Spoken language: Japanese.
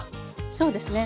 そうですね